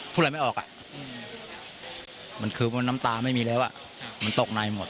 พูดอะไรไม่ออกอ่ะมันคือน้ำตาไม่มีแล้วมันตกในหมด